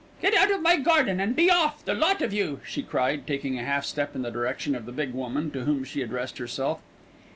"Get out of my garden, and be off, the lot of you," she cried, taking a half step in the direction of the big woman, to whom she addressed herself.